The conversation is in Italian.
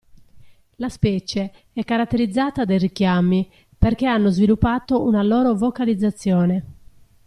La specie è caratterizzata dai richiami, perché hanno sviluppato una loro vocalizzazione.